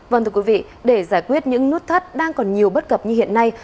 vâng thưa quý vị để giải quyết những nút thắt đang còn nhiều bất cập như hiện nay